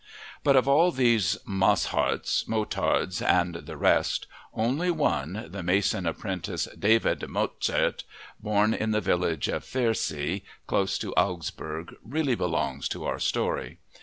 But of all these "Mossherts," "Motards," and the rest, only one, the mason apprentice David Motzert, born in the village of Pfersee, close to Augsburg, really belongs to our story.